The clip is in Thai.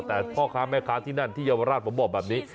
แต่พ่อค้าแม่ค้าที่นั่นที่เยาวราชผมบอกแบบนี้